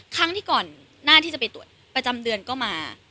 ครั้งที่ก่อนหน้าที่จะไปตรวจประจำเดือนก็มา